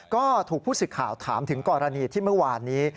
ก็ถูกผู้สึกข่าวถามถึงกรณีที่เมื่อวานนี้